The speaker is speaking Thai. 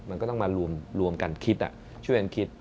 มันก็ต้องมารวมกันคิดช่วยกันคิด